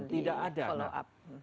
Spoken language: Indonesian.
tidak ada respon tidak ada